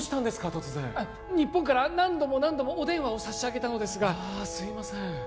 突然日本から何度も何度もお電話を差し上げたのですがああすいません